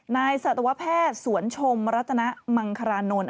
นายศาลวะแพทย์สวนชมรัฐนมังคารานนท์